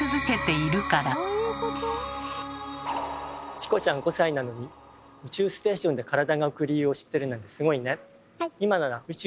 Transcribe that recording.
チコちゃん５歳なのに宇宙ステーションで体が浮く理由を知ってるなんてすごいね。